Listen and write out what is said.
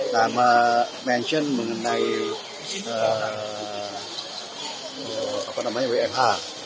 nama mention mengenai wfh